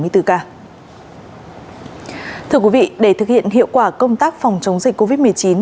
thưa quý vị để thực hiện hiệu quả công tác phòng chống dịch covid một mươi chín